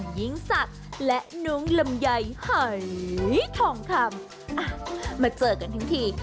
หญิงสัตว์และน้องลำไยหายทองคำอ่ะมาเจอกันทั้งที